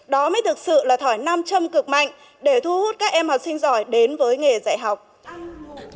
đó mới thực sự là thỏi nam châm cực mạnh để thu hút các em học sinh giỏi đến với nghề dạy học